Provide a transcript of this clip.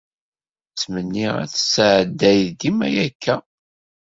Ttmenniɣ ad tettɛedday dima akka.